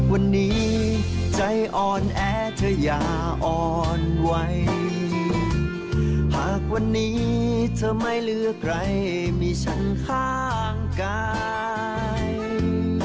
วันนี้เธอไม่เหลือใครมีฉันข้างกาย